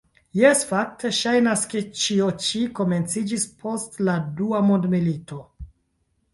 Jes, fakte ŝajnas, ke ĉio ĉi komenciĝis post la dua mondmilito.